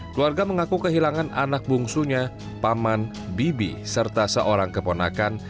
keluarga mengaku kehilangan anak bungsunya paman bibi serta seorang keponakan